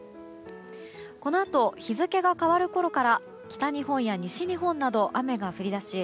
このあと日付が変わるころから北日本や東日本など雨が降り出し